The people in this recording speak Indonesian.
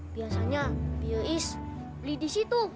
biasanya bioes beli di situ